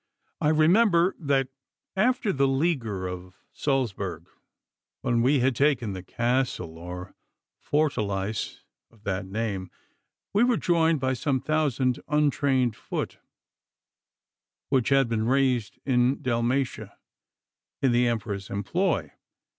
'I remember that after the leaguer of Salzburg, when we had taken the castle or fortalice of that name, we were joined by some thousand untrained foot, which had been raised in Dalmatia in the Emperor's employ.